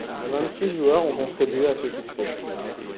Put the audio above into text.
Vingt-six joueurs ont contribué à ce succès.